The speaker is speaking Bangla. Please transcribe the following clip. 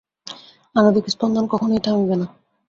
আণবিক স্পন্দন কখনই থামিবে না।